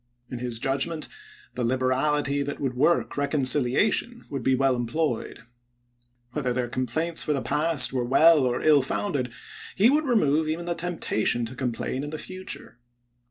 In his judgment, the liberality that would work reconciliation would be well employed. Whether their complaints for the past were well or ill founded, he would remove even the temptation to complain in the future.